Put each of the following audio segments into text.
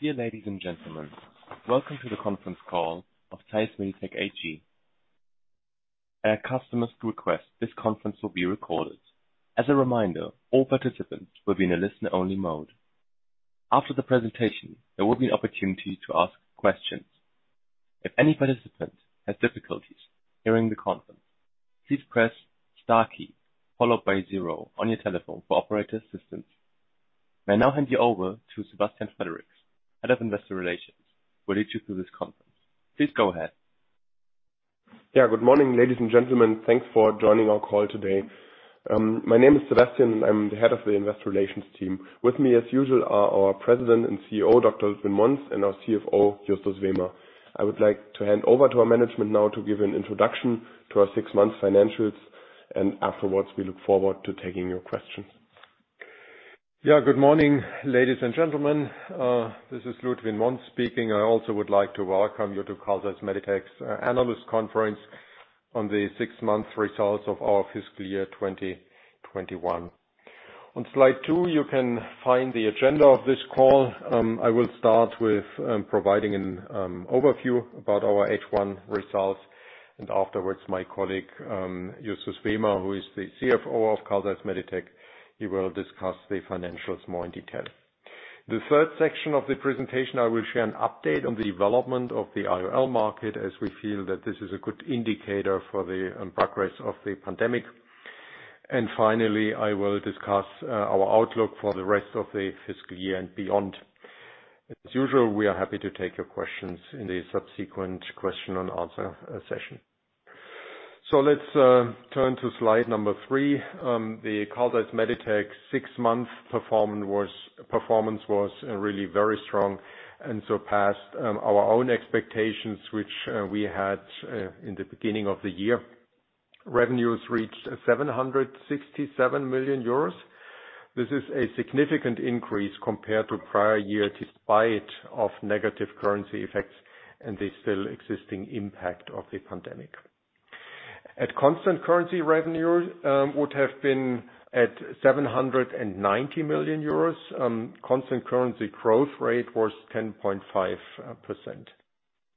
Dear ladies and gentlemen, welcome to the conference call of Carl Zeiss Meditec AG. At our customers' request, this conference will be recorded. As a reminder, all participants will be in a listen-only mode. After the presentation, there will be an opportunity to ask questions. If any participant has difficulties hearing the conference, please press star key followed by zero on your telephone for operator assistance. May I now hand you over to Sebastian Frericks, head of investor relations, who will lead you through this conference. Please go ahead. Yeah. Good morning, ladies and gentlemen. Thanks for joining our call today. My name is Sebastian, and I'm the head of the investor relations team. With me as usual are our President and CEO, Dr. Ludwin Monz, and our CFO, Justus Wehmer. I would like to hand over to our management now to give an introduction to our six-month financials, and afterwards, we look forward to taking your questions. Good morning, ladies and gentlemen. This is Ludwin Monz speaking. I also would like to welcome you to Carl Zeiss Meditec's analyst conference on the six-month results of our fiscal year 2021. On slide two, you can find the agenda of this call. I will start with providing an overview about our H1 results, and afterwards my colleague, Justus Wehmer, who is the CFO of Carl Zeiss Meditec, he will discuss the financials more in detail. The third section of the presentation, I will share an update on the development of the IOL market as we feel that this is a good indicator for the progress of the pandemic. Finally, I will discuss our outlook for the rest of the fiscal year and beyond. As usual, we are happy to take your questions in the subsequent question and answer session. Let's turn to slide number three. The Carl Zeiss Meditec six-month performance was really very strong and surpassed our own expectations, which we had in the beginning of the year. Revenues reached 767 million euros. This is a significant increase compared to prior year despite of negative currency effects and the still existing impact of the pandemic. At constant currency revenue would have been at 790 million euros. Constant currency growth rate was 10.5%.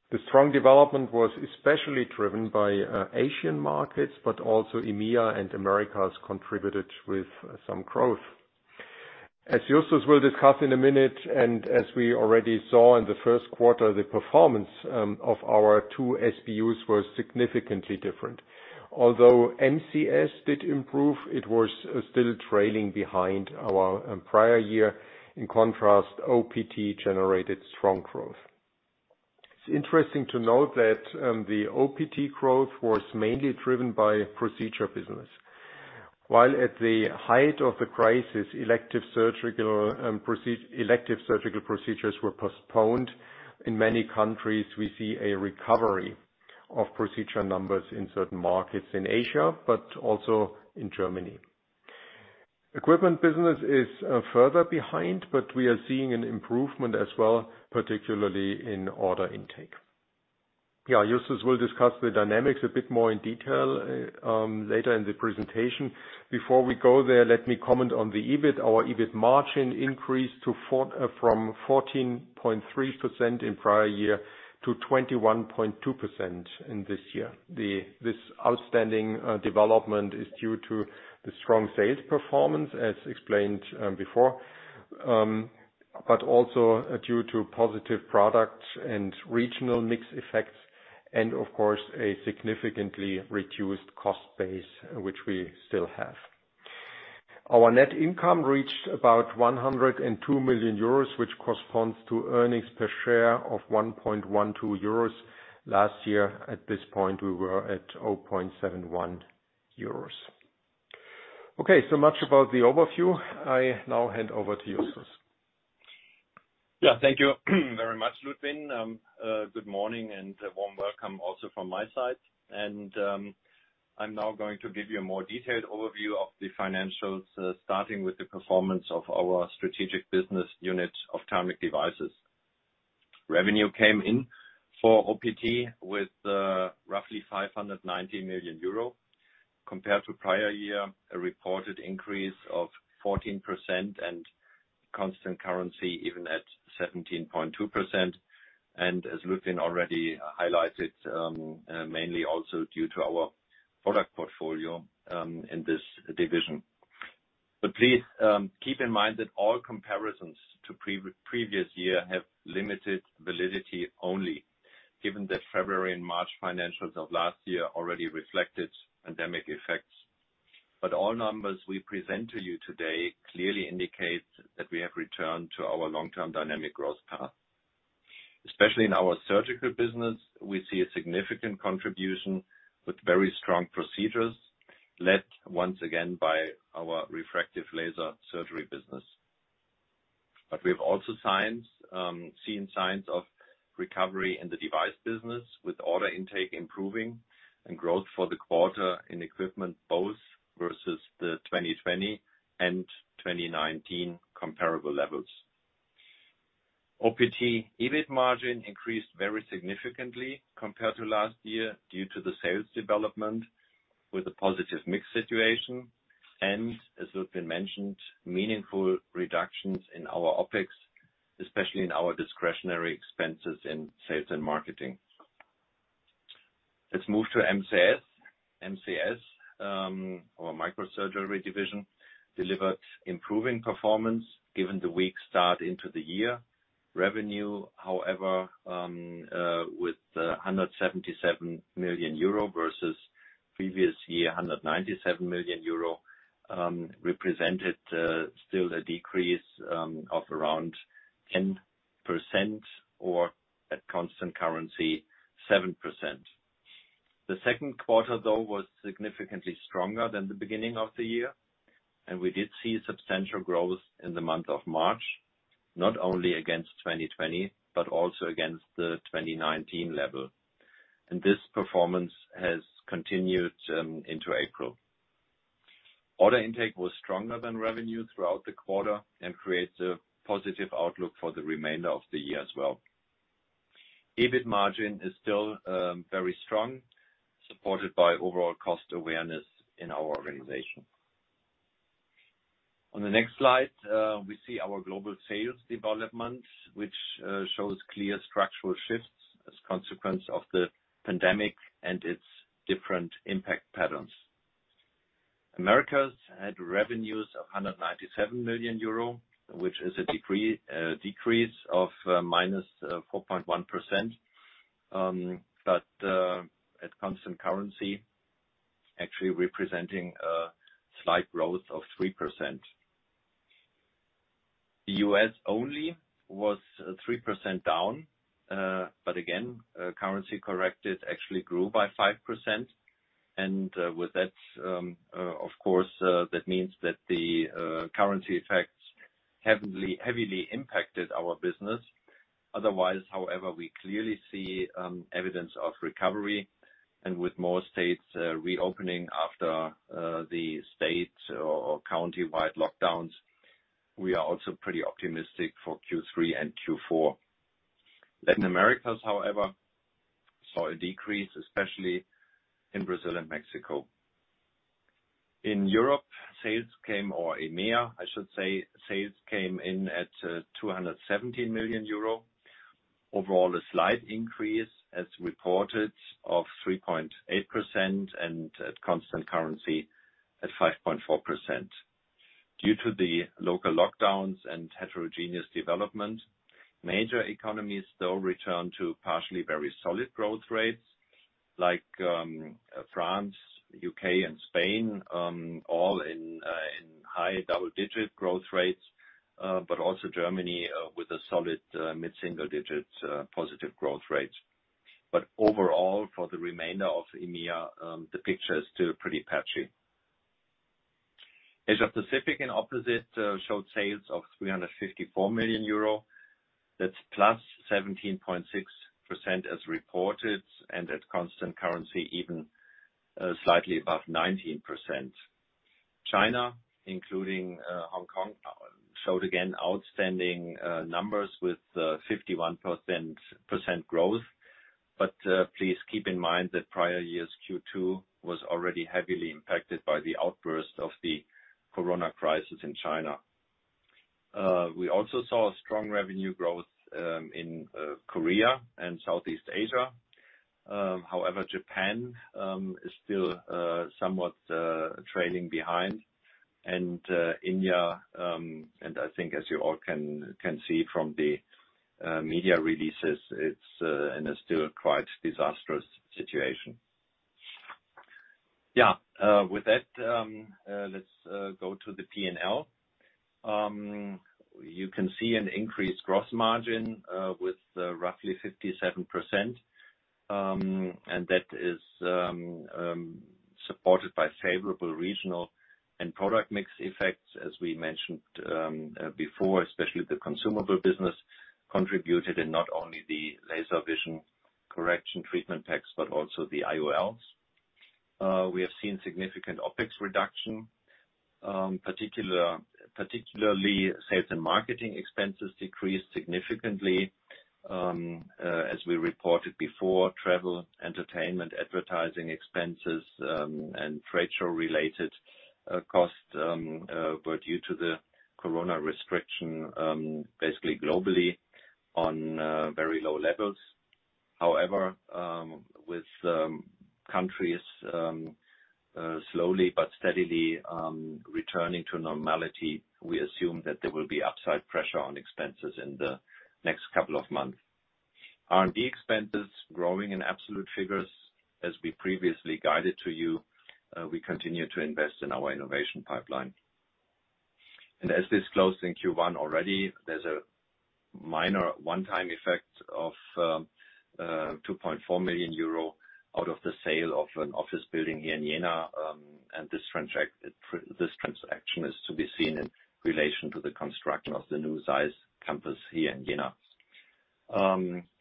The strong development was especially driven by Asian markets, but also EMEA and Americas contributed with some growth. As Justus will discuss in a minute, as we already saw in the first quarter, the performance of our two SBUs was significantly different. Although MCS did improve, it was still trailing behind our prior year. In contrast, OPT generated strong growth. It's interesting to note that the OPT growth was mainly driven by procedure business. While at the height of the crisis, elective surgical procedures were postponed. In many countries, we see a recovery of procedure numbers in certain markets in Asia, but also in Germany. Equipment business is further behind, but we are seeing an improvement as well, particularly in order intake. Justus will discuss the dynamics a bit more in detail later in the presentation. Before we go there, let me comment on the EBIT. Our EBIT margin increased from 14.3% in prior year to 21.2% in this year. This outstanding development is due to the strong sales performance as explained before, but also due to positive product and regional mix effects and of course, a significantly reduced cost base, which we still have. Our net income reached about 102 million euros, which corresponds to earnings per share of 1.12 euros. Last year at this point, we were at 0.71 euros. Okay, so much about the overview. I now hand over to Justus. Thank you very much, Ludwin. Good morning and a warm welcome also from my side. I'm now going to give you a more detailed overview of the financials, starting with the performance of our strategic business unit of ophthalmic devices. Revenue came in for OPT with roughly 590 million euro compared to prior year, a reported increase of 14% and constant currency even at 17.2%. As Ludwin already highlighted, mainly also due to our product portfolio in this division. Please, keep in mind that all comparisons to previous year have limited validity only given that February and March financials of last year already reflected pandemic effects. All numbers we present to you today clearly indicate that we have returned to our long-term dynamic growth path. Especially in our surgical business, we see a significant contribution with very strong procedures led once again by our refractive laser surgery business. We've also seen signs of recovery in the device business with order intake improving and growth for the quarter in equipment both versus the 2020 and 2019 comparable levels. OPT EBIT margin increased very significantly compared to last year due to the sales development with a positive mix situation, and as has been mentioned, meaningful reductions in our OpEx, especially in our discretionary expenses in sales and marketing. Let's move to MCS. MCS, our Microsurgery division, delivered improving performance given the weak start into the year. Revenue, however, with the 177 million euro versus previous year, 197 million euro, represented still a decrease of around 10% or at constant currency, 7%. The second quarter, though, was significantly stronger than the beginning of the year, we did see substantial growth in the month of March, not only against 2020, but also against the 2019 level. This performance has continued into April. Order intake was stronger than revenue throughout the quarter and creates a positive outlook for the remainder of the year as well. EBIT margin is still very strong, supported by overall cost awareness in our organization. On the next slide, we see our global sales development, which shows clear structural shifts as a consequence of the pandemic and its different impact patterns. Americas had revenues of 197 million euro, which is a decrease of -4.1%, but at constant currency, actually representing a slight growth of 3%. The U.S. only was 3% down, but again, currency corrected, actually grew by 5%. With that, of course, that means that the currency effects heavily impacted our business. Otherwise, however, we clearly see evidence of recovery and with more states reopening after the state or county-wide lockdowns, we are also pretty optimistic for Q3 and Q4. Latin America, however, saw a decrease, especially in Brazil and Mexico. In Europe, or EMEA, I should say, sales came in at 217 million euro. Overall, a slight increase as reported of 3.8% and at constant currency at 5.4%. Due to the local lockdowns and heterogeneous development, major economies still return to partially very solid growth rates like France, U.K., and Spain, all in high double-digit growth rates, but also Germany with a solid mid-single digit positive growth rates. Overall, for the remainder of EMEA, the picture is still pretty patchy. Asia Pacific and EMEA showed sales of 354 million euro. That's +17.6% as reported, at constant currency, even slightly above 19%. China, including Hong Kong, showed again outstanding numbers with 51% growth. Please keep in mind that prior year's Q2 was already heavily impacted by the outburst of the COVID-19 in China. We also saw a strong revenue growth in Korea and Southeast Asia. Japan is still somewhat trailing behind and India, I think as you all can see from the media releases, it's in a still quite disastrous situation. With that, let's go to the P&L. You can see an increased gross margin with roughly 57%, that is supported by favorable regional and product mix effects, as we mentioned before, especially the consumable business contributed in not only the laser vision correction treatment packs, but also the IOLs. We have seen significant OpEx reduction, particularly sales and marketing expenses decreased significantly. As we reported before, travel, entertainment, advertising expenses, and trade show-related costs were due to the corona restriction, basically globally on very low levels. However, with countries slowly but steadily returning to normality, we assume that there will be upside pressure on expenses in the next couple of months. R&D expenses growing in absolute figures as we previously guided to you. As disclosed in Q1 already, there's a minor one-time effect of 2.4 million euro out of the sale of an office building here in Jena, and this transaction is to be seen in relation to the construction of the new ZEISS campus here in Jena.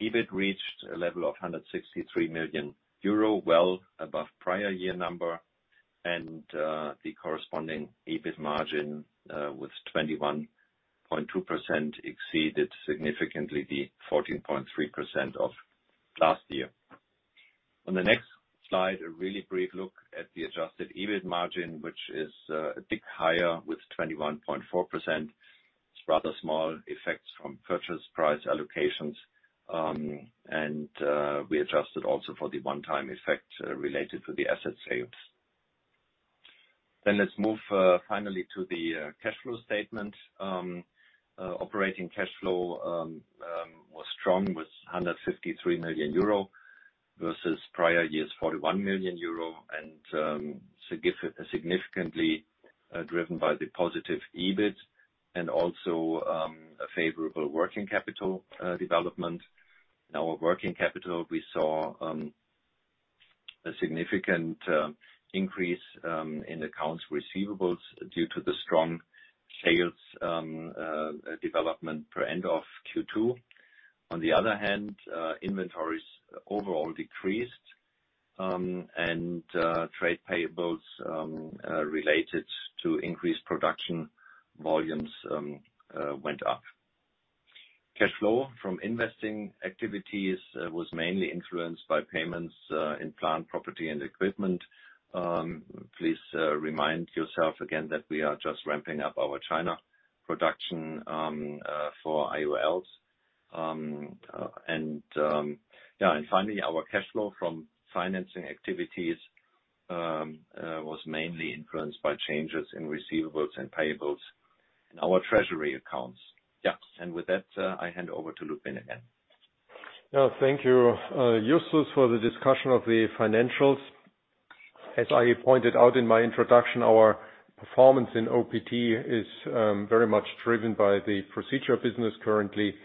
EBIT reached a level of 163 million euro, well above prior year number, and the corresponding EBIT margin, with 21.2%, exceeded significantly the 14.3% of last year. On the next slide, a really brief look at the adjusted EBIT margin, which is a bit higher with 21.4%. It's rather small effects from purchase price allocations. We adjusted also for the one-time effect related to the asset sales. Let's move finally to the cash flow statement. Operating cash flow was strong with 153 million euro versus prior year's 41 million euro, and significantly driven by the positive EBIT and also a favorable working capital development. In our working capital, we saw a significant increase in accounts receivables due to the strong sales development per end of Q2. On the other hand, inventories overall decreased, and trade payables related to increased production volumes went up. Cash flow from investing activities was mainly influenced by payments in plant, property, and equipment. Please remind yourself again that we are just ramping up our China production for IOLs. Finally, our cash flow from financing activities was mainly influenced by changes in receivables and payables in our treasury accounts. With that, I hand over to Ludwin Monz again. Thank you, Justus, for the discussion of the financials. As I pointed out in my introduction, our performance in OPT is very much driven by the procedure business currently.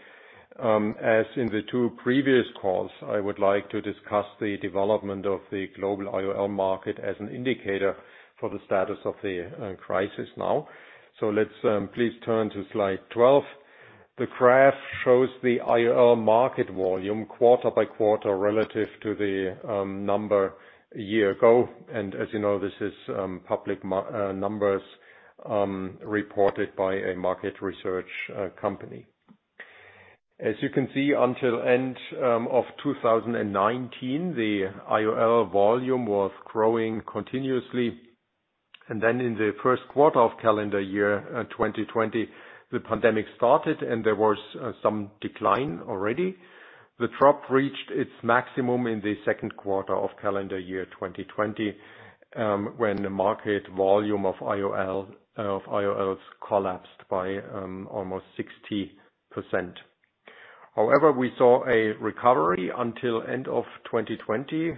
As in the two previous calls, I would like to discuss the development of the global IOL market as an indicator for the status of the crisis now. Let's please turn to slide 12. The graph shows the IOL market volume quarter by quarter relative to the number a year ago. As you know, this is public numbers reported by a market research company. As you can see, until end of 2019, the IOL volume was growing continuously. Then in the first quarter of calendar year 2020, the pandemic started, and there was some decline already. The drop reached its maximum in the second quarter of calendar year 2020, when the market volume of IOLs collapsed by almost 60%. We saw a recovery until end of 2020.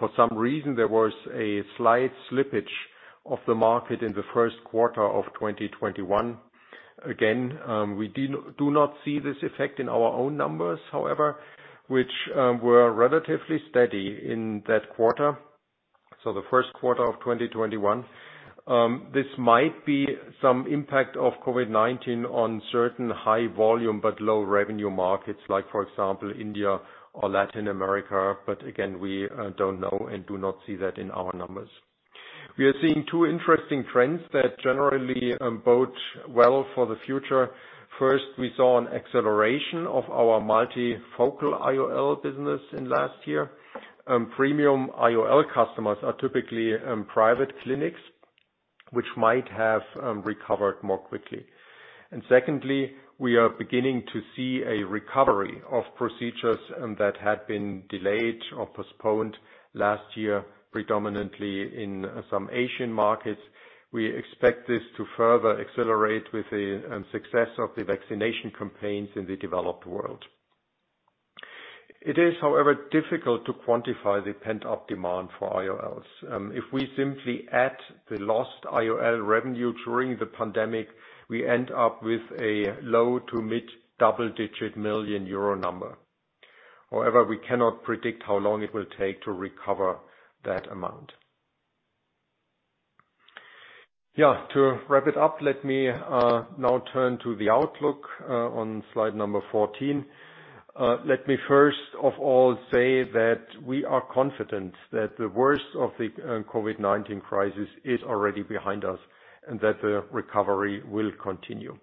For some reason, there was a slight slippage of the market in the first quarter of 2021. We do not see this effect in our own numbers, however, which were relatively steady in that quarter, so the first quarter of 2021. This might be some impact of COVID-19 on certain high volume but low revenue markets, like for example, India or Latin America. We don't know and do not see that in our numbers. We are seeing two interesting trends that generally bode well for the future. First, we saw an acceleration of our multifocal IOL business in last year. Premium IOL customers are typically private clinics, which might have recovered more quickly. Secondly, we are beginning to see a recovery of procedures that had been delayed or postponed last year, predominantly in some Asian markets. We expect this to further accelerate with the success of the vaccination campaigns in the developed world. It is, however, difficult to quantify the pent-up demand for IOLs. If we simply add the lost IOL revenue during the pandemic, we end up with a low to mid double-digit million EUR number. We cannot predict how long it will take to recover that amount. To wrap it up, let me now turn to the outlook on slide number 14. Let me first of all say that we are confident that the worst of the COVID-19 crisis is already behind us and that the recovery will continue.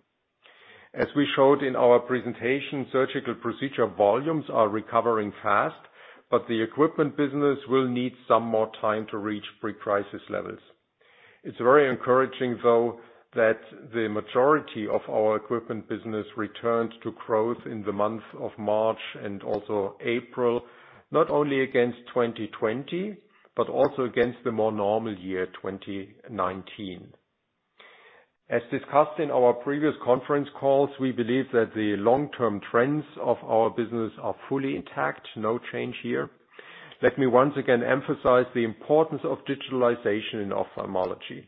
As we showed in our presentation, surgical procedure volumes are recovering fast, but the equipment business will need some more time to reach pre-crisis levels. It's very encouraging, though, that the majority of our equipment business returned to growth in the months of March and also April, not only against 2020, but also against the more normal year, 2019. As discussed in our previous conference calls, we believe that the long-term trends of our business are fully intact. No change here. Let me once again emphasize the importance of digitalization in ophthalmology.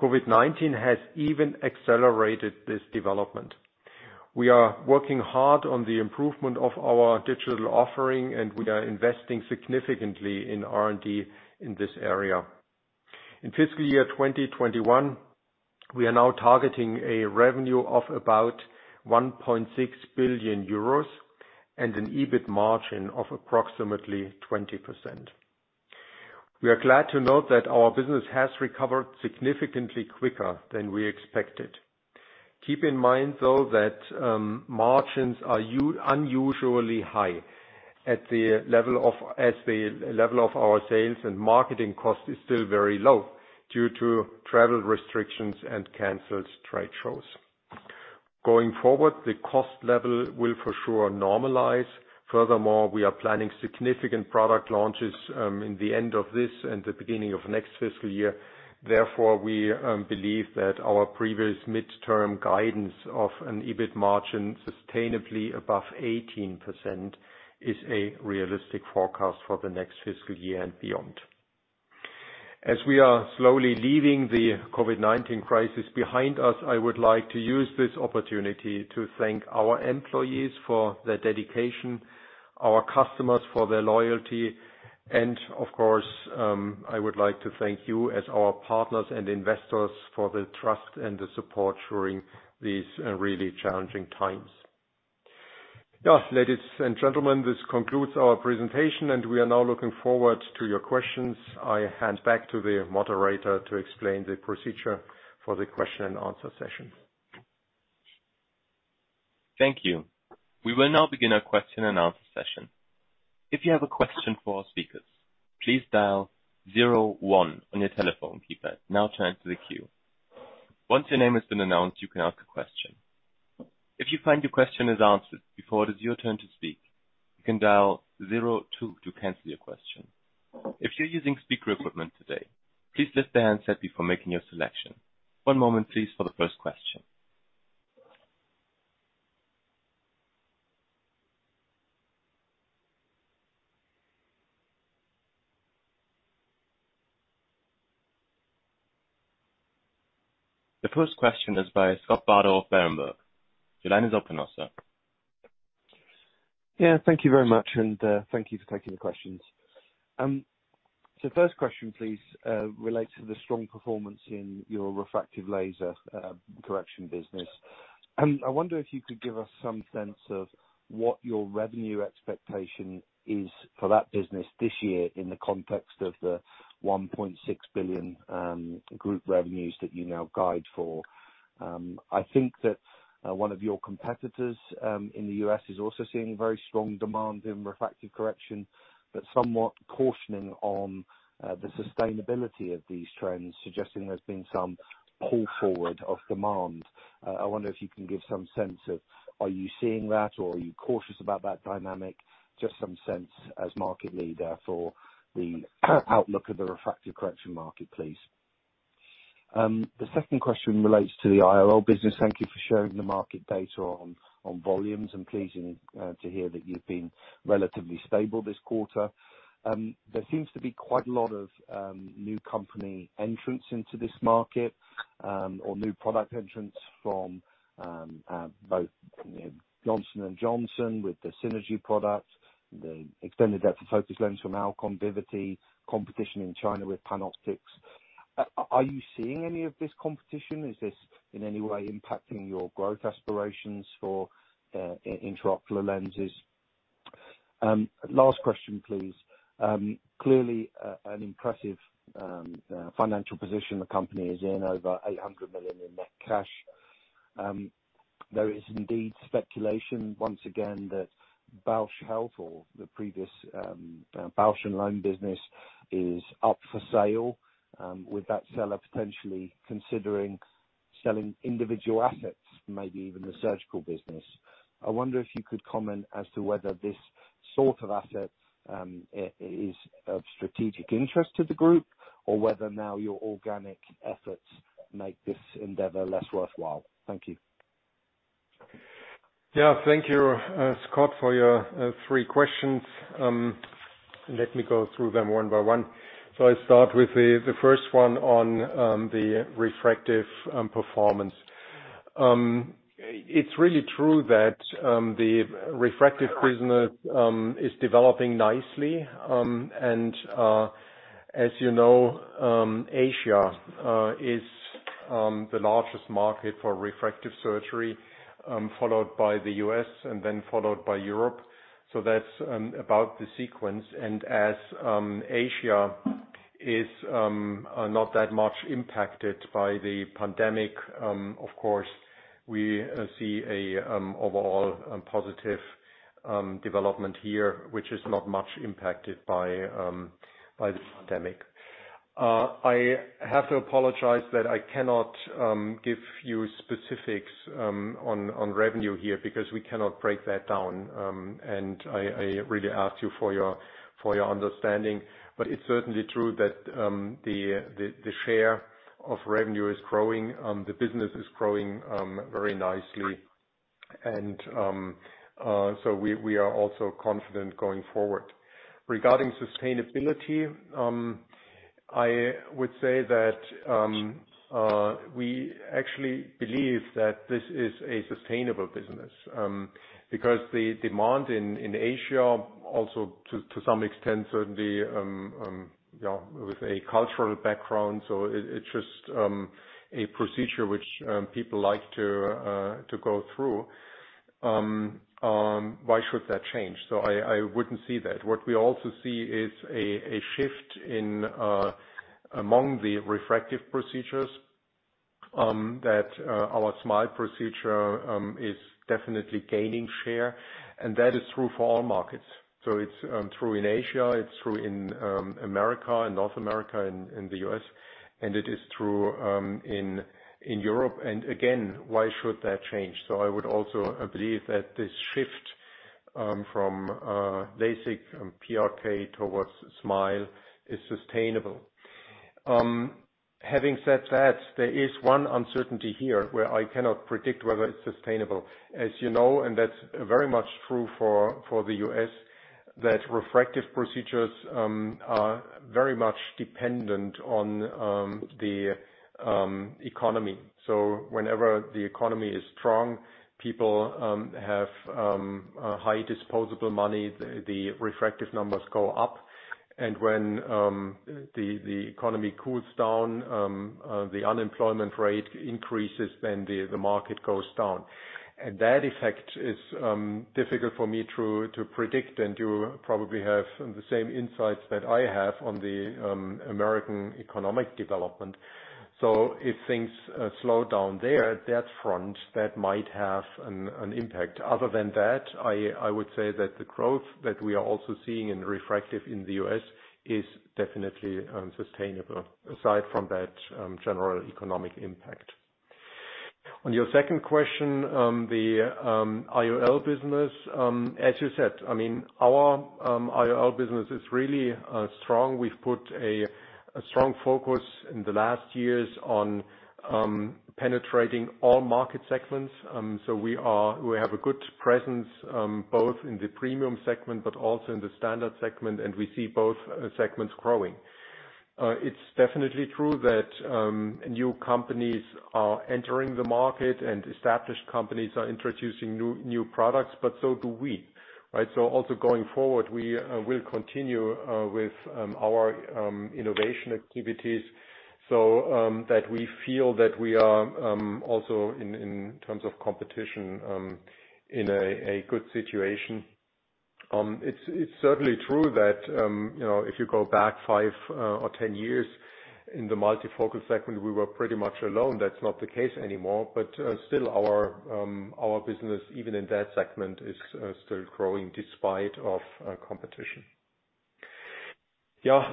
COVID-19 has even accelerated this development. We are working hard on the improvement of our digital offering, and we are investing significantly in R&D in this area. In fiscal year 2021, we are now targeting a revenue of about 1.6 billion euros and an EBIT margin of approximately 20%. We are glad to note that our business has recovered significantly quicker than we expected. Keep in mind, though, that margins are unusually high as the level of our sales and marketing cost is still very low due to travel restrictions and canceled trade shows. Going forward, the cost level will for sure normalize. Furthermore, we are planning significant product launches in the end of this and the beginning of next fiscal year. Therefore, we believe that our previous midterm guidance of an EBIT margin sustainably above 18% is a realistic forecast for the next fiscal year and beyond. As we are slowly leaving the COVID-19 crisis behind us, I would like to use this opportunity to thank our employees for their dedication, our customers for their loyalty, and of course, I would like to thank you as our partners and investors for the trust and the support during these really challenging times. Ladies and gentlemen, this concludes our presentation and we are now looking forward to your questions. I hand back to the moderator to explain the procedure for the question and answer session. Thank you. We will now begin our question and answer session. If you have a question for speakers, please dial zero one on your telephone keypad, now turn to the queue. Once your name has been announced, you can ask a question. If you find your question has answered before your turn to speak you can dial zero two to cancel your question. If you're using a speaker equipment today please click your handset before making a selection. One moment please for the first question. The first question is by Scott Bardo of Berenberg. Your line is open now, sir. Thank you very much, and thank you for taking the questions. First question, please, relates to the strong performance in your refractive laser correction business. I wonder if you could give us some sense of what your revenue expectation is for that business this year in the context of the 1.6 billion group revenues that you now guide for. I think that one of your competitors in the U.S. is also seeing very strong demand in refractive correction, somewhat cautioning on the sustainability of these trends, suggesting there's been some pull forward of demand. I wonder if you can give some sense of, are you seeing that or are you cautious about that dynamic? Some sense as market leader for the outlook of the refractive correction market, please. The second question relates to the IOL business. Thank you for showing the market data on volumes and pleasing to hear that you've been relatively stable this quarter. There seems to be quite a lot of new company entrants into this market or new product entrants from both Johnson & Johnson with the Synergy product, the extended depth of focus lens from Alcon Vivity, competition in China with PanOptix. Are you seeing any of this competition? Is this in any way impacting your growth aspirations for intraocular lenses? Last question, please. Clearly, an impressive financial position the company is in, over 800 million in net cash. There is indeed speculation once again that Bausch Health or the previous Bausch + Lomb business is up for sale, with that seller potentially considering selling individual assets, maybe even the surgical business. I wonder if you could comment as to whether this sort of asset is of strategic interest to the group or whether now your organic efforts make this endeavor less worthwhile? Thank you. Yeah, thank you, Scott, for your three questions. Let me go through them one by one. I start with the first one on the refractive performance. It's really true that the refractive business is developing nicely. As you know, Asia is the largest market for refractive surgery, followed by the U.S. and then followed by Europe. That's about the sequence. As Asia is not that much impacted by the pandemic, of course, we see an overall positive development here, which is not much impacted by this pandemic. I have to apologize that I cannot give you specifics on revenue here because we cannot break that down, and I really ask you for your understanding. It's certainly true that the share of revenue is growing. The business is growing very nicely. We are also confident going forward. Regarding sustainability, I would say that we actually believe that this is a sustainable business. Because the demand in Asia also to some extent, certainly, with a cultural background, so it's just a procedure which people like to go through. Why should that change? I wouldn't say that. What we also see is a shift among the refractive procedures, that our SMILE procedure is definitely gaining share, and that is true for all markets. It's true in Asia, it's true in America, in North America, in the U.S., and it is true in Europe. Again, why should that change? I would also believe that this shift from basic PRK towards SMILE is sustainable. Having said that, there is one uncertainty here where I cannot predict whether it's sustainable. As you know, and that's very much true for the U.S., that refractive procedures are very much dependent on the economy. Whenever the economy is strong, people have high disposable money, the refractive numbers go up. When the economy cools down, the unemployment rate increases, then the market goes down. That effect is difficult for me to predict, and you probably have the same insights that I have on the American economic development. If things slow down there at that front, that might have an impact. Other than that, I would say that the growth that we are also seeing in refractive in the U.S. is definitely sustainable, aside from that general economic impact. On your second question, the IOL business. As you said, our IOL business is really strong. We've put a strong focus in the last years on penetrating all market segments. We have a good presence, both in the premium segment but also in the standard segment, and we see both segments growing. It's definitely true that new companies are entering the market and established companies are introducing new products, but so do we. Also going forward, we will continue with our innovation activities so that we feel that we are, also in terms of competition, in a good situation. It's certainly true that if you go back five or 10 years in the multifocal segment, we were pretty much alone. That's not the case anymore. Still our business, even in that segment, is still growing despite of competition. Your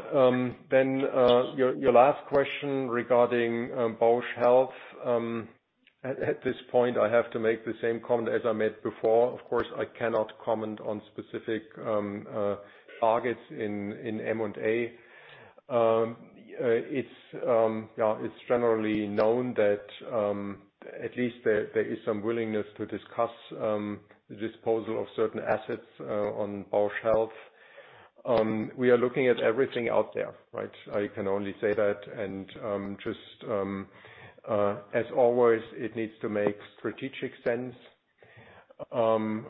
last question regarding Bausch Health. At this point, I have to make the same comment as I made before. Of course, I cannot comment on specific targets in M&A. It's generally known that at least there is some willingness to discuss disposal of certain assets on Bausch Health. We are looking at everything out there. I can only say that, and just as always, it needs to make strategic sense,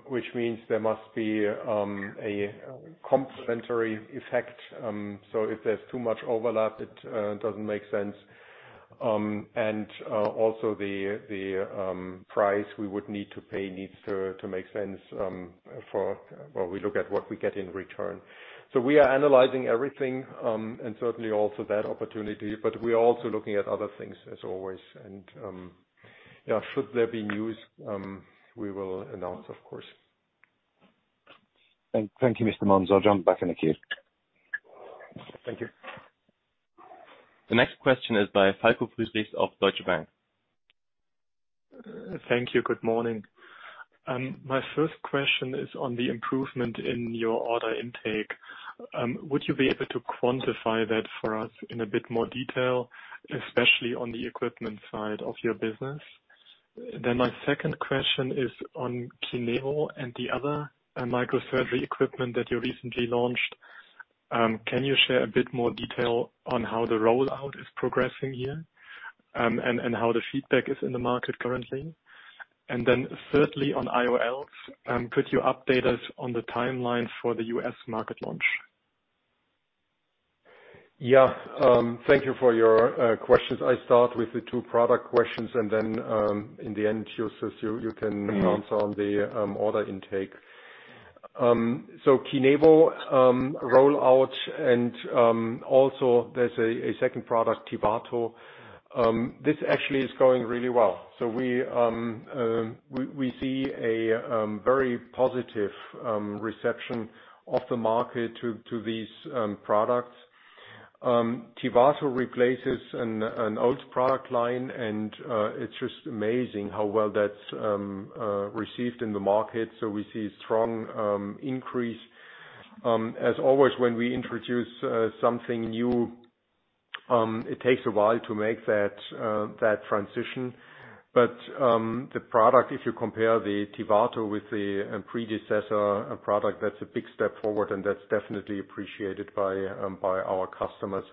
which means there must be a complementary effect. If there's too much overlap, it doesn't make sense. Also the price we would need to pay needs to make sense, for when we look at what we get in return. We are analyzing everything, and certainly also that opportunity, but we are also looking at other things as always. Should there be news, we will announce, of course. Thank you, Mr. Monz. I'll jump back in the queue. Thank you. The next question is by Falko Friedrichs of Deutsche Bank. Thank you. Good morning. My first question is on the improvement in your order intake. Would you be able to quantify that for us in a bit more detail, especially on the equipment side of your business? My second question is on KINEVO and the other microsurgery equipment that you recently launched. Can you share a bit more detail on how the rollout is progressing here, and how the feedback is in the market currently? Thirdly, on IOLs, could you update us on the timeline for the U.S. market launch? Yeah. Thank you for your questions. I start with the two product questions, and then in the end, Justus, you can answer on the order intake. KINEVO rollout and also there's a second product, TIVATO. This actually is going really well. We see a very positive reception of the market to these products. TIVATO replaces an old product line, and it's just amazing how well that's received in the market. We see strong increase. As always, when we introduce something new it takes a while to make that transition. The product, if you compare the TIVATO with the predecessor product, that's a big step forward, and that's definitely appreciated by our customers.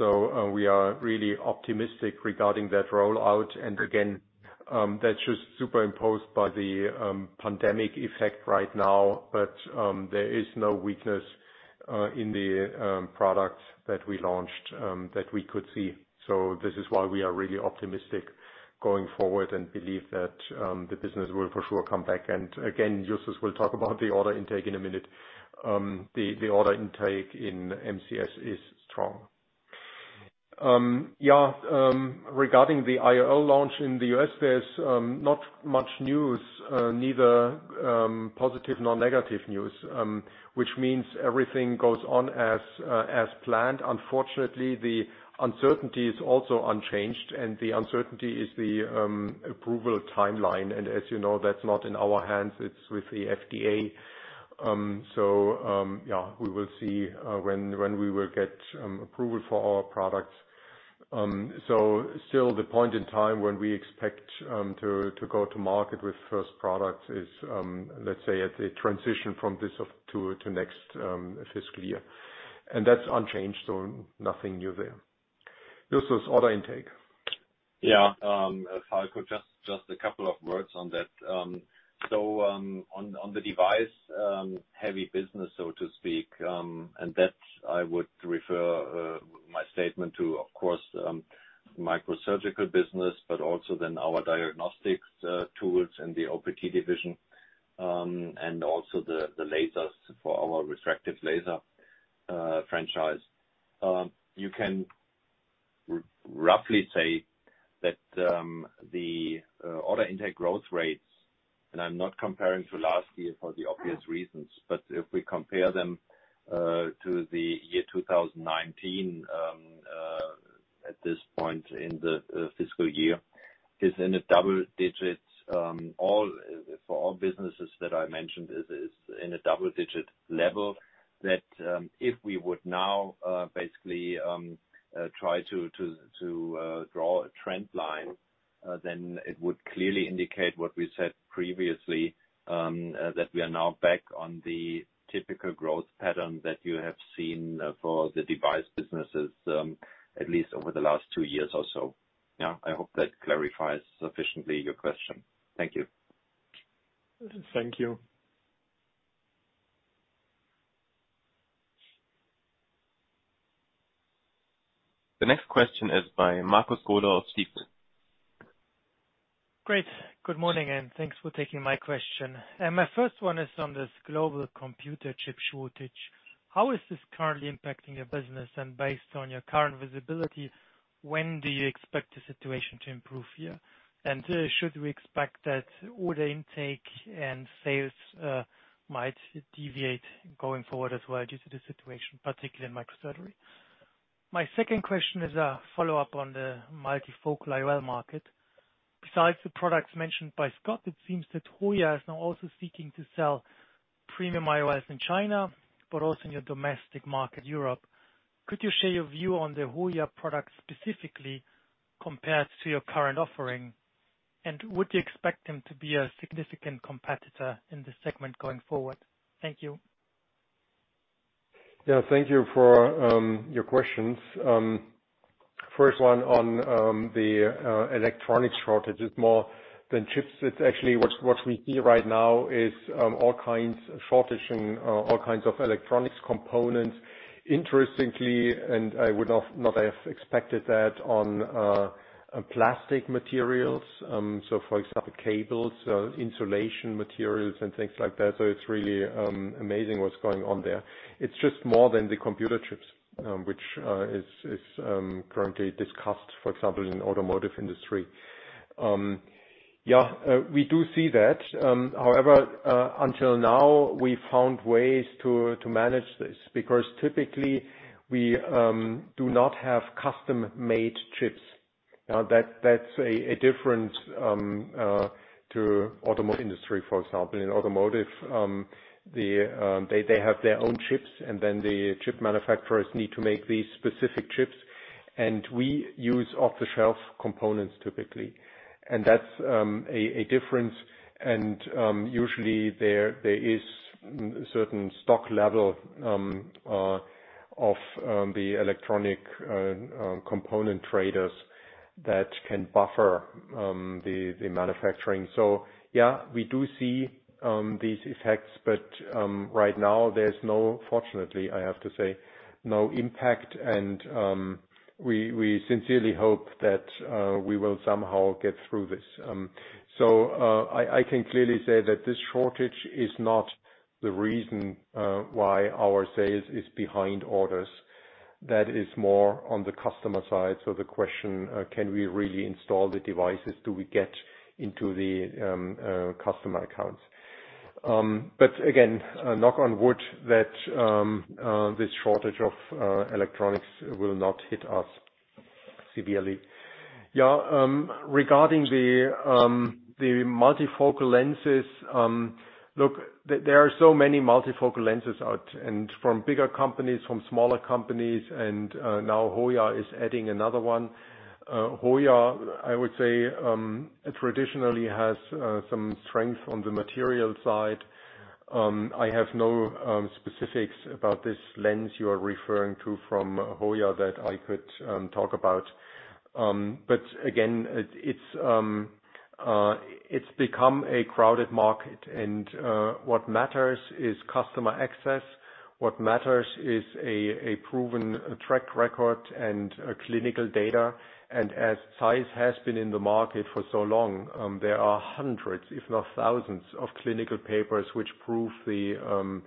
We are really optimistic regarding that rollout. Again, that's just superimposed by the pandemic effect right now. There is no weakness in the product that we launched that we could see. This is why we are really optimistic going forward and believe that the business will for sure come back. Again, Justus will talk about the order intake in a minute. The order intake in MCS is strong. Regarding the IOL launch in the U.S., there's not much news, neither positive nor negative news, which means everything goes on as planned. Unfortunately, the uncertainty is also unchanged, and the uncertainty is the approval timeline. As you know, that's not in our hands. It's with the FDA. We will see when we will get approval for our products. Still the point in time when we expect to go to market with first products is, let's say, at the transition from this to next fiscal year. That's unchanged, nothing new there. Justus, order intake. Yeah. Falko, just a couple of words on that. On the device-heavy business, so to speak, and that I would refer my statement to, of course, microsurgical business, but also then our diagnostic tools and the OPT division, and also the lasers for our refractive laser franchise. You can roughly say that the order intake growth rates, I am not comparing to last year for the obvious reasons, but if we compare them to the year 2019 at this point in the fiscal year, is in a double-digit for all businesses that I mentioned is in a double-digit level that if we would now basically try to draw a trend line, it would clearly indicate what we said previously, that we are now back on the typical growth pattern that you have seen for the device businesses, at least over the last two years or so. I hope that clarifies sufficiently your question. Thank you. Thank you. The next question is by Markus Gola of Stifel. Great. Good morning. Thanks for taking my question. My first one is on this global computer chip shortage. How is this currently impacting your business? Based on your current visibility, when do you expect the situation to improve? Should we expect that order intake and sales might deviate going forward as well due to the situation, particularly in Microsurgery? My second question is a follow-up on the multifocal IOL market. Besides the products mentioned by Scott, it seems that Hoya is now also seeking to sell premium IOLs in China, but also in your domestic market, Europe. Could you share your view on the Hoya product specifically compared to your current offering? Would you expect them to be a significant competitor in this segment going forward? Thank you. Thank you for your questions. First one on the electronics shortage. It's more than chips. It's actually what we hear right now is a shortage in all kinds of electronics components. Interestingly, I would not have expected that on plastic materials. For example, cables, insulation materials, and things like that. It's really amazing what's going on there. It's just more than the computer chips, which is currently discussed, for example, in automotive industry. We do see that. However, until now, we found ways to manage this, because typically, we do not have custom-made chips. That's a difference to automotive industry, for example. In automotive, they have their own chips, and then the chip manufacturers need to make these specific chips, and we use off-the-shelf components typically. That's a difference, and usually, there is certain stock level of the electronic component traders that can buffer the manufacturing. Yeah, we do see these effects, but right now there's no, fortunately, I have to say, no impact, and we sincerely hope that we will somehow get through this. I can clearly say that this shortage is not the reason why our sales is behind orders. That is more on the customer side. The question, can we really install the devices? Do we get into the customer accounts? Again, knock on wood, that this shortage of electronics will not hit us too hard. Severely. Yeah, regarding the multifocal lenses, look, there are so many multifocal lenses out, and from bigger companies, from smaller companies, and now Hoya is adding another one. Hoya, I would say traditionally has some strength on the material side. I have no specifics about this lens you are referring to from Hoya that I could talk about. Again, it's become a crowded market, and what matters is customer access. What matters is a proven track record and clinical data. As ZEISS has been in the market for so long, there are hundreds, if not thousands, of clinical papers which prove the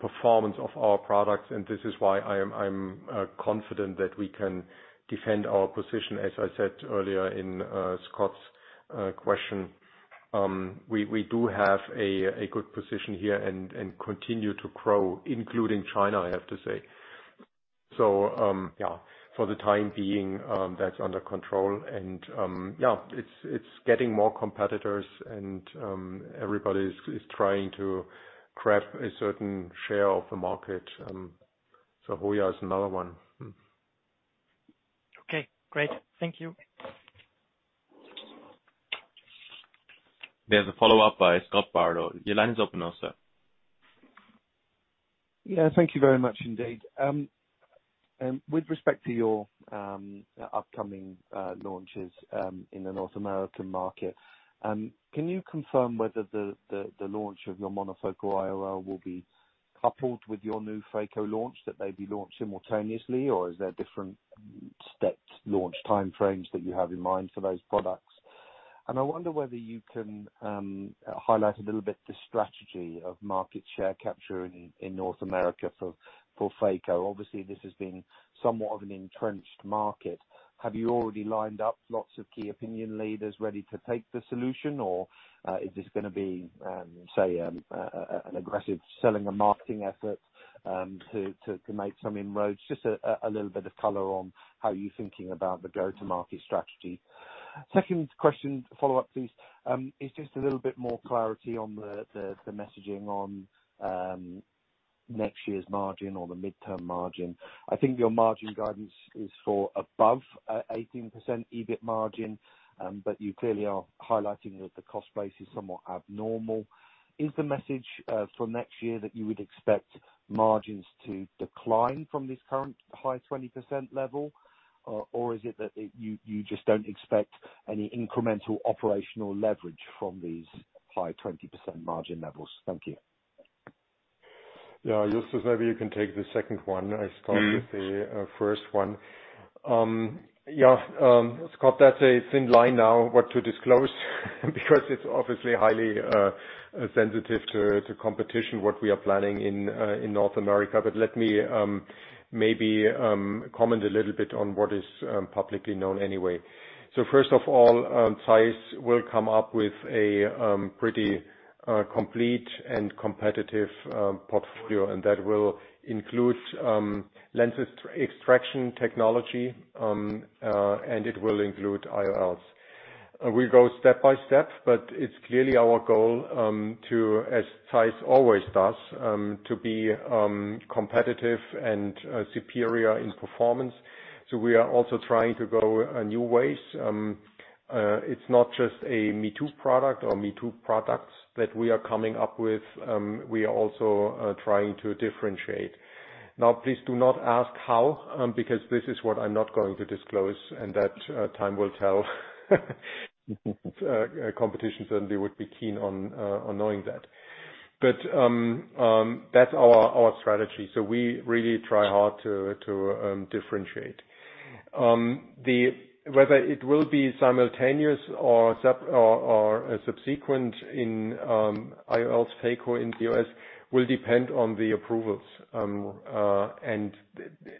performance of our products, and this is why I'm confident that we can defend our position. As I said earlier in Scott's question, we do have a good position here and continue to grow, including China, I have to say. Yeah, for the time being, that's under control. Yeah, it's getting more competitors, and everybody's trying to grab a certain share of the market. Hoya is another one. Okay, great. Thank you. We have a follow-up by Scott Bardo. Your line is open now, sir. Yeah, thank you very much indeed. With respect to your upcoming launches in the North American market, can you confirm whether the launch of your monofocal IOL will be coupled with your new phaco launch, that they'd be launched simultaneously, or is there different stepped launch time frames that you have in mind for those products? I wonder whether you can highlight a little bit the strategy of market share capture in North America for phaco. Obviously, this has been somewhat of an entrenched market. Have you already lined up lots of Key Opinion Leaders ready to take the solution, or is this going to be, say, an aggressive selling and marketing effort to make some inroads? Just a little bit of color on how you're thinking about the go-to-market strategy. Second question to follow up, please, is just a little bit more clarity on the messaging on next year's margin or the midterm margin. I think your margin guidance is for above 18% EBIT margin, but you clearly are highlighting that the cost base is somewhat abnormal. Is the message for next year that you would expect margins to decline from this current high 20% level, or is it that you just don't expect any incremental operational leverage from these high 20% margin levels? Thank you. Yeah. Justus, maybe you can take the second one. I start with the first one. Scott, that's it. It's in line now what to disclose, because it's obviously highly sensitive to competition, what we are planning in North America. Let me maybe comment a little bit on what is publicly known anyway. First of all, ZEISS will come up with a pretty complete and competitive portfolio, and that will include lenses extraction technology, and it will include IOLs. We'll go step by step, but it's clearly our goal to, as ZEISS always does, to be competitive and superior in performance. We are also trying to go new ways. It's not just a me-too product or me-too products that we are coming up with. We are also trying to differentiate. Please do not ask how, because this is what I'm not going to disclose, and that time will tell. Competition certainly would be keen on knowing that. That's our strategy. We really try hard to differentiate. Whether it will be simultaneous or subsequent in IOL phaco in the U.S. will depend on the approvals.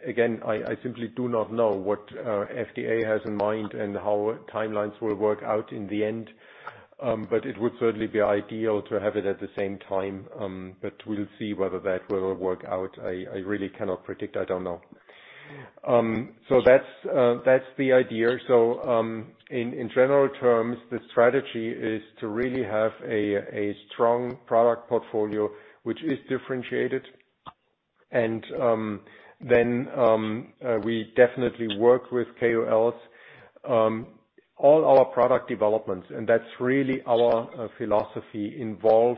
Again, I simply do not know what FDA has in mind and how timelines will work out in the end. It would certainly be ideal to have it at the same time. We'll see whether that will work out. I really cannot predict. I don't know. That's the idea. In general terms, the strategy is to really have a strong product portfolio which is differentiated. Then we definitely work with KOLs. All our product developments, and that's really our philosophy, involve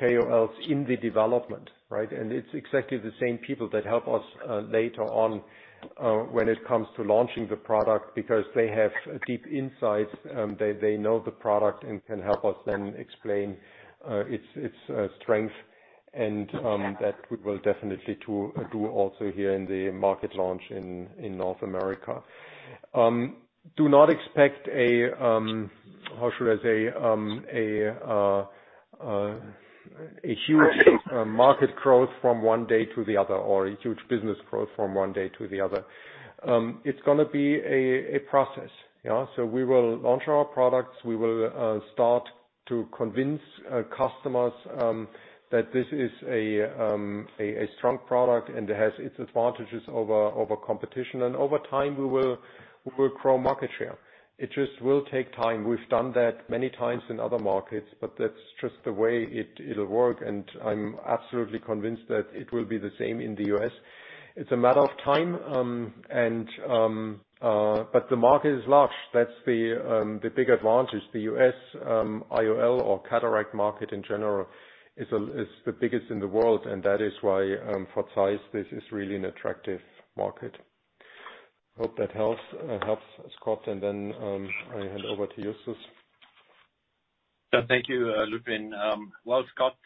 KOLs in the development, right? It's exactly the same people that help us later on when it comes to launching the product, because they have deep insights. They know the product and can help us then explain its strength, and that we will definitely do also here in the market launch in North America. Do not expect a, how should I say? A huge market growth from one day to the other, or a huge business growth from one day to the other. It's going to be a process. We will launch our products, we will start to convince customers that this is a strong product, and it has its advantages over competition. Over time, we will grow market share. It just will take time. We've done that many times in other markets, but that's just the way it'll work, and I'm absolutely convinced that it will be the same in the U.S. It's a matter of time, but the market is large. That's the big advantage. The U.S. IOL or cataract market in general is the biggest in the world, and that is why for size, this is really an attractive market. Hope that helps, Scott, and then I hand over to Justus. Thank you, Ludwin. Well, Scott,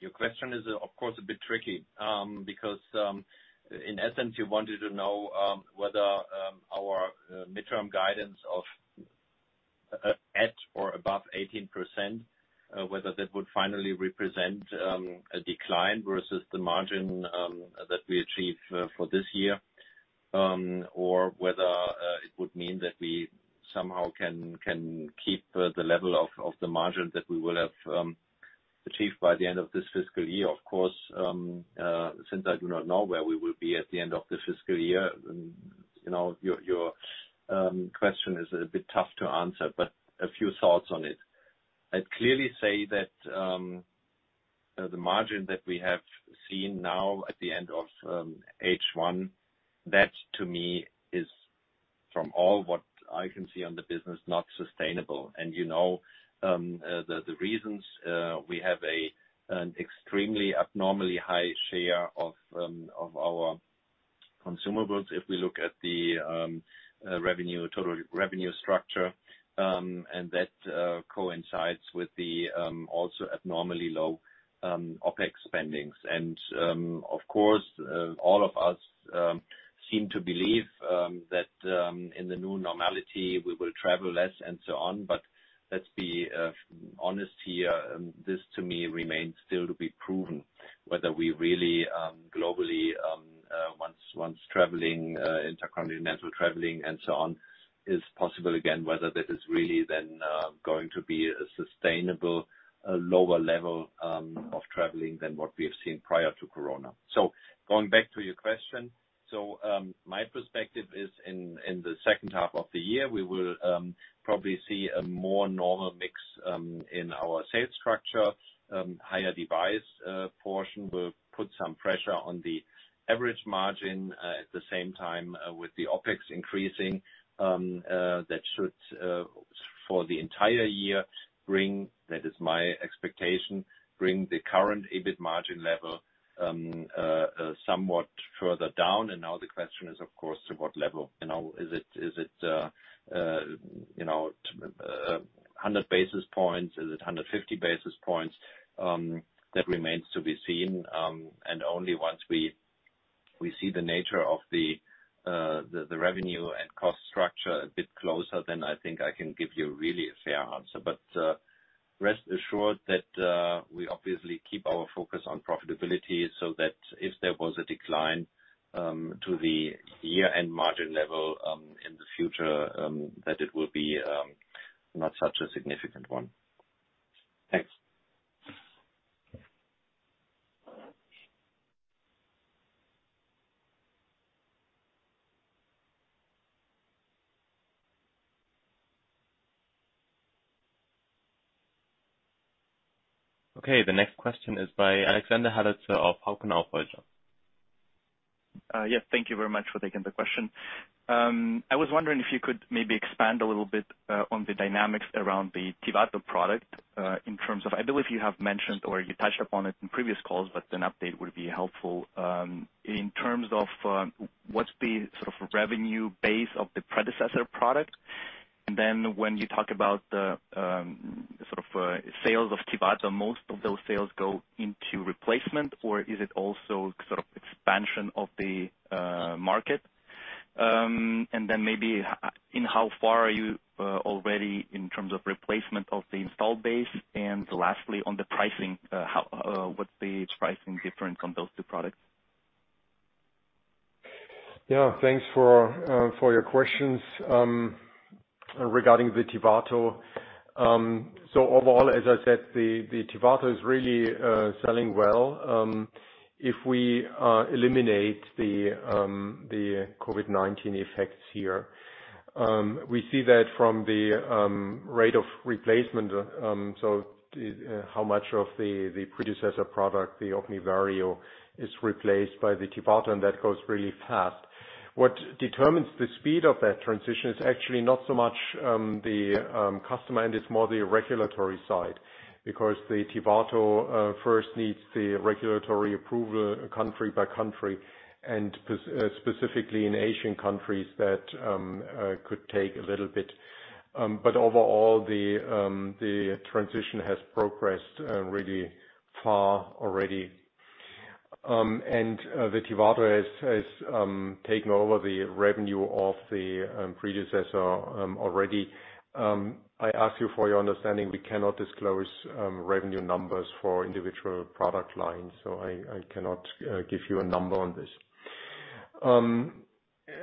your question is, of course, a bit tricky. In essence, you wanted to know whether our midterm guidance of at or above 18%, whether that would finally represent a decline versus the margin that we achieve for this year. Whether it would mean that we somehow can keep the level of the margin that we will have achieved by the end of this fiscal year. Of course, since I do not know where we will be at the end of the fiscal year, your question is a bit tough to answer, but a few thoughts on it. I'd clearly say that the margin that we have seen now at the end of H1, that to me is, from all what I can see on the business, not sustainable. You know the reasons, we have an extremely abnormally high share of our consumables if we look at the total revenue structure. That coincides with the also abnormally low OpEx spendings. Of course, all of us seem to believe that in the new normality, we will travel less and so on. Let's be honest here. This, to me, remains still to be proven, whether we really globally, once intercontinental traveling and so on is possible again, whether this is really then going to be a sustainable lower level of traveling than what we have seen prior to Corona. Going back to your question. My perspective is in the second half of the year, we will probably see a more normal mix in our sales structure. Higher device portion will put some pressure on the average margin. At the same time with the OpEx increasing, that should for the entire year, that is my expectation, bring the current EBIT margin level somewhat further down. Now the question is, of course, to what level? Is it 100 basis points? Is it 150 basis points? That remains to be seen. Only once we see the nature of the revenue and cost structure a bit closer, then I think I can give you really a fair answer. Rest assured that we obviously keep our focus on profitability, so that if there was a decline to the year-end margin level in the future, that it will be not such a significant one. Thanks. Okay, the next question is by Alexander Galitsa of Hauck & Aufhäuser. Yes, thank you very much for taking the question. I was wondering if you could maybe expand a little bit on the dynamics around the TIVATO product. I believe you have mentioned, or you touched upon it in previous calls. An update would be helpful. In terms of what's the sort of revenue base of the predecessor product? When you talk about the sales of TIVATO, most of those sales go into replacement, or is it also sort of expansion of the market? Maybe in how far are you already in terms of replacement of the installed base? Lastly, on the pricing, what's the pricing difference on those two products? Yeah, thanks for your questions regarding the TIVATO. Overall, as I said, the TIVATO is really selling well. If we eliminate the COVID-19 effects here. We see that from the rate of replacement, so how much of the predecessor product, the OPMI Vario, is replaced by the TIVATO, and that goes really fast. What determines the speed of that transition is actually not so much the customer, and it's more the regulatory side. Because the TIVATO first needs the regulatory approval country by country, and specifically in Asian countries, that could take a little bit. Overall, the transition has progressed really far already. The TIVATO has taken over the revenue of the predecessor already. I ask you for your understanding, we cannot disclose revenue numbers for individual product lines. I cannot give you a number on this.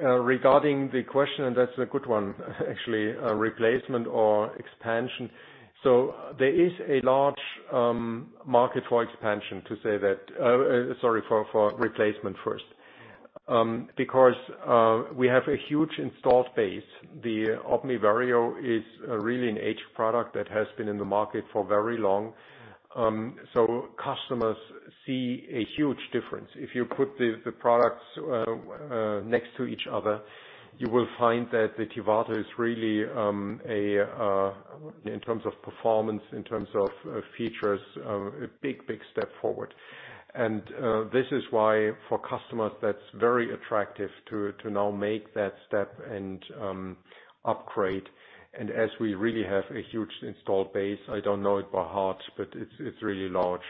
Regarding the question, and that's a good one, actually, replacement or expansion. There is a large market for expansion. For replacement first. We have a huge installed base. The OPMI Vario is really an aged product that has been in the market for very long. Customers see a huge difference. If you put the products next to each other, you will find that the TIVATO is really, in terms of performance, in terms of features, a big step forward. This is why for customers, that's very attractive to now make that step and upgrade. As we really have a huge installed base, I don't know it by heart, but it's really large.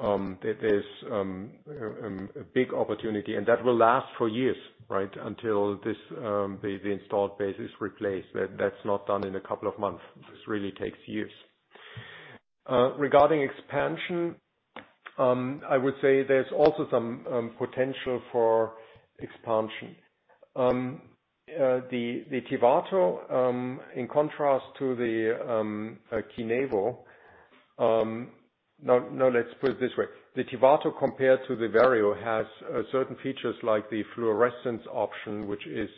There's a big opportunity, and that will last for years, right? Until the installed base is replaced. That's not done in a couple of months. This really takes years. Regarding expansion, I would say there's also some potential for expansion. The TIVATO compared to the Vario has certain features like the fluorescence option, which is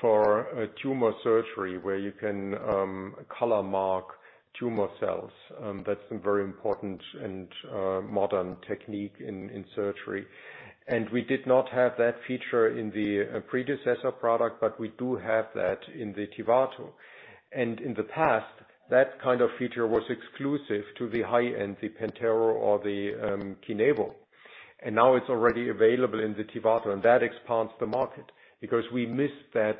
for tumor surgery where you can color mark tumor cells. That's a very important and modern technique in surgery. We did not have that feature in the predecessor product, but we do have that in the TIVATO. In the past, that kind of feature was exclusive to the high-end, the PENTERO or the KINEVO. Now it's already available in the TIVATO, and that expands the market because we missed that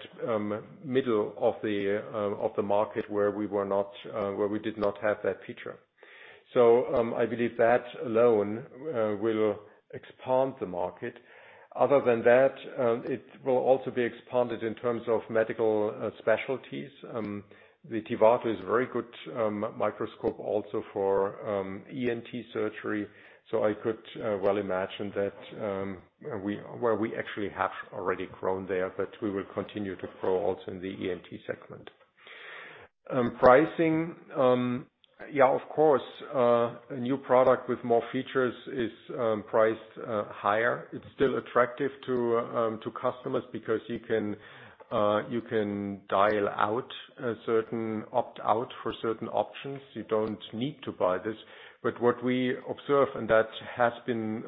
middle of the market where we did not have that feature. I believe that alone will expand the market. Other than that, it will also be expanded in terms of medical specialties. The TIVATO is a very good microscope also for ENT surgery. I could well imagine that where we actually have already grown there, that we will continue to grow also in the ENT segment. Pricing. Yeah, of course, a new product with more features is priced higher. It's still attractive to customers because you can dial out a certain opt-out for certain options. You don't need to buy this. What we observe, and that has been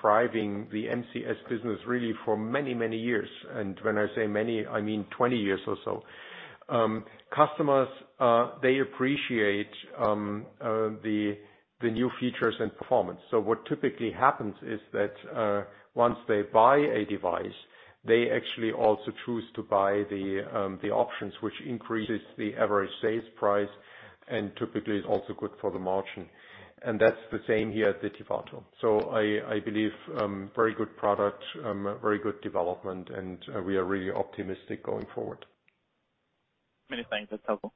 thriving the MCS business really for many years. When I say many, I mean 20 years or so. Customers, they appreciate the new features and performance. What typically happens is that, once they buy a device, they actually also choose to buy the options, which increases the average sales price and typically is also good for the margin. That's the same here at the TIVATO. I believe very good product, very good development, and we are really optimistic going forward. Many thanks. That's helpful.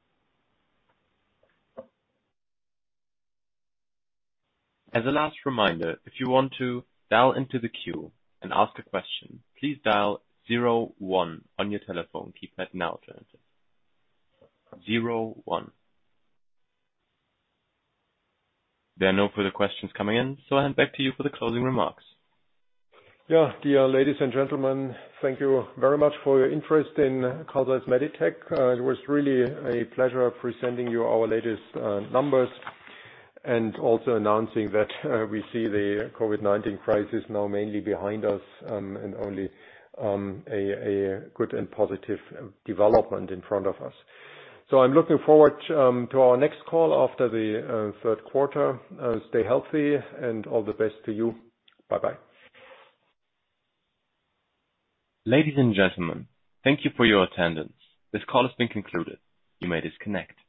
There are no further questions coming in, so I hand back to you for the closing remarks. Dear ladies and gentlemen, thank you very much for your interest in Carl Zeiss Meditec. It was really a pleasure presenting you our latest numbers and also announcing that we see the COVID-19 crisis now mainly behind us, and only a good and positive development in front of us. I'm looking forward to our next call after the third quarter. Stay healthy, and all the best to you. Bye-bye. Ladies and gentlemen, thank you for your attendance. This call has been concluded. You may disconnect.